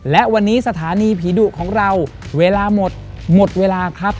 และวันนี้สถานีผีดุของเราเวลาหมดหมดเวลาครับ